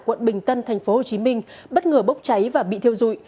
quận bình tân tp hcm bất ngờ bốc cháy và bị thiêu dụi